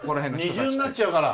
ああ二重になっちゃうから。